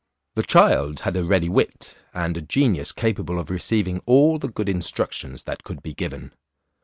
The child had a ready wit, and a genius capable of receiving all the good instructions that could be given.